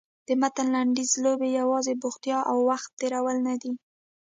د متن لنډیز لوبې یوازې بوختیا او وخت تېرول نه دي.